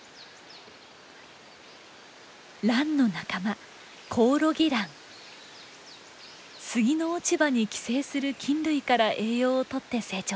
ランの仲間スギの落ち葉に寄生する菌類から栄養をとって成長します。